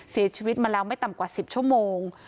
เสียชีวิตมาแล้วไม่ต่ำกว่า๑๐ชั่วโมง